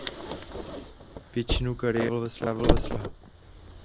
Většinu kariéry strávil ve Slavii Praha.